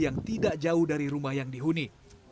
yang tidak jauh dari rumah yang dihuni